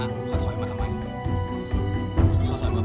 สิทธิ์ของจาก